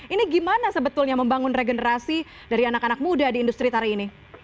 ini gimana sebetulnya membangun regenerasi dari anak anak muda di industri tari ini